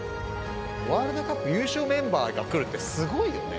ワールドカップ優勝メンバーが来るってすごいよね。